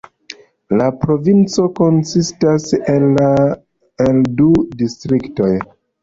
La provinco konsistas el du distriktoj.